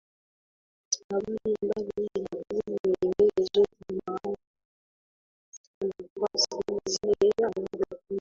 msalabani bali zinadumu milele zote Maana ya dhambi hasa ni kuasi zile amri kumi